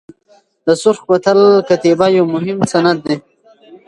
د سرخ کوتل کتیبه یو مهم سند دی.